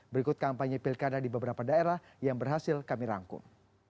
berikut kampanye pilkada di beberapa daerah yang berhasil kami rangkum